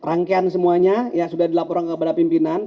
rangkaian semuanya ya sudah dilaporkan kepada pimpinan